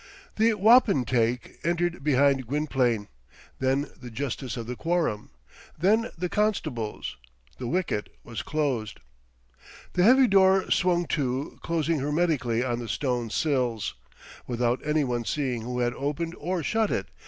The wapentake entered behind Gwynplaine. Then the justice of the quorum. Then the constables. The wicket was closed. The heavy door swung to, closing hermetically on the stone sills, without any one seeing who had opened or shut it.